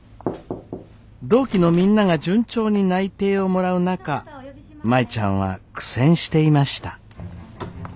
同期のみんなが順調に内定をもらう中舞ちゃんは苦戦していました。